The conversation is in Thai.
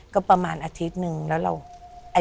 ก็ประมาณอาทิตย์นึงแล้วเรา